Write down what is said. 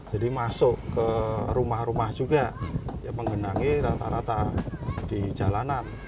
jadi masuk ke rumah rumah juga ya mengenangi rata rata di jalanan